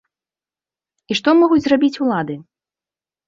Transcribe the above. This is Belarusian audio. І што могуць зрабіць улады?